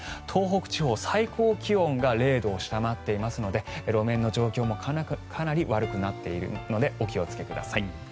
東北地方、最高気温が０度を下回っていますので路面の状況もかなり悪くなっているのでお気をつけください。